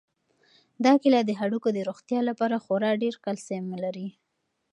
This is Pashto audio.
دا کیله د هډوکو د روغتیا لپاره خورا ډېر کلسیم لري.